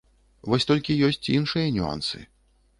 Вось толькі ёсць іншыя нюансы.